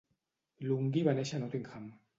Lunghi va néixer a Nottingham.